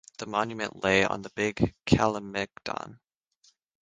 The monument lay on the Big Kalemegdan.